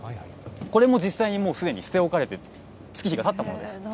これも実際にすでに捨て置かれて月日がたったものです。